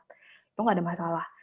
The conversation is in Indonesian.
itu tidak ada masalah